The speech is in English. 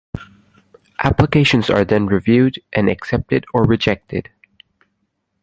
Applications are then reviewed and accepted or rejected.